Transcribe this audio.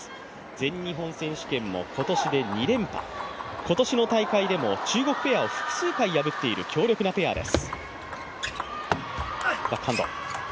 全日本選手権も今年で２連覇、今年の大会でも中国ペアを複数回、破っている、強力なペアです。